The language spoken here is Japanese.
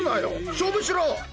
勝負しろ！